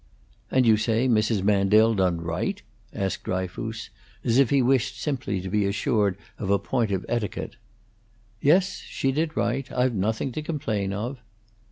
"And you say Mrs. Mandel done right?" asked Dryfoos, as if he wished simply to be assured of a point of etiquette. "Yes, she did right. I've nothing to complain of."